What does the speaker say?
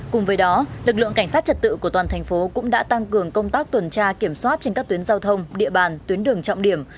cùng với đó lực lượng cảnh sát trật tự của toàn thành phố cũng đã tăng cường công tác tuần tra kiểm soát trên các tuyến giao thông địa bàn tuyến đường trọng điểm